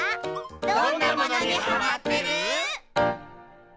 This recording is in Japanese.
どんなものにハマってる？